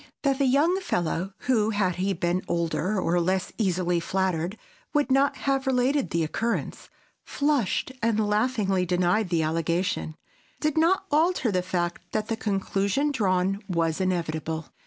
That the young fellow (who, had he been older or less easily flattered, would not have related the occurrence) flushed and laughingly denied the allegation—did not alter the fact that the conclusion drawn was inevitable.